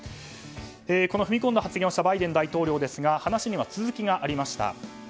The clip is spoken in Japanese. この踏み込んだ発言をしたバイデン大統領ですが話には続きがありました。